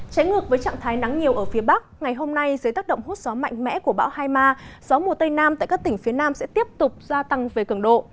trái ngược với trạng thái nắng nhiều ở phía bắc ngày hôm nay dưới tác động hút gió mạnh mẽ của bão hai ma gió mùa tây nam tại các tỉnh phía nam sẽ tiếp tục gia tăng về cường độ